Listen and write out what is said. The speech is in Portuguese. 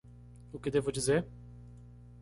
O que devo dizer?